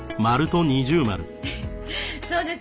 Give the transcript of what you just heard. そうです。